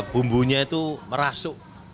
bumbunya itu merasuk